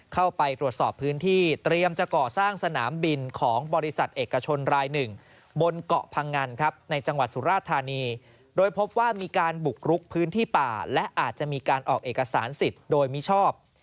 เข้าไปตรวจสอบพื้นที่เตรียมจะก่อสร้างสนามบินของบริษัทเอกชนรายหนึ่งบนเกาะพังงันครับในจังหวัดสุราธานีโดยพบว่ามีการบุกรุกพื้นที่ป่าและอาจจะมีการออกเอกสารสิทธิ์โดยมิชอบ